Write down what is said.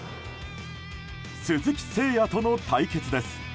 鈴木誠也との対決です。